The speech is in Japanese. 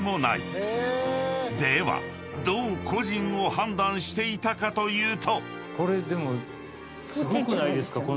［ではどう個人を判断していたかというと］